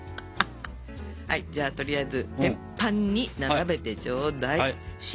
はいじゃあとりあえず天板に並べてちょうだい。